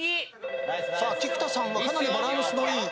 さあ菊田さんはかなりバランスのいい。